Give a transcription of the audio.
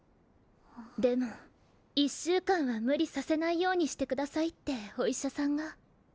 でも１しゅうかんはむりさせないようにしてくださいっておいしゃさんが。